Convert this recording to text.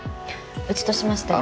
うちとしましては。